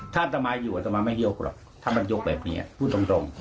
อัตมาอยู่อัตมาไม่ยกหรอกถ้ามันยกแบบนี้พูดตรง